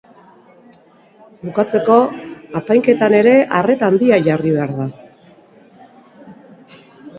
Bukatzeko, apainketan ere arreta handia jarri behar da.